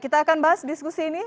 kita akan bahas diskusi ini